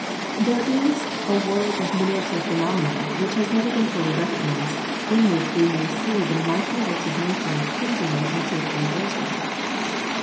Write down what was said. There is a world of miniature phenomena which has never been fully recognised, in which we may see the mightier works of nature pleasingly and truthfully illustrated.